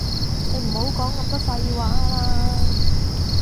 你唔好講咁多廢話啦